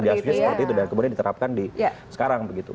diasuhnya seperti itu dan kemudian diterapkan sekarang begitu